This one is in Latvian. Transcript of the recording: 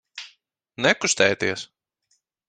Nekustēties!